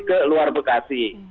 ke luar bekasi